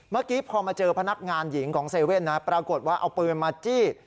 เมื่อกี้พอมาเจอพนักงานหญิงของเซเว่นนะปรากฏว่าเอาปืนมาจี้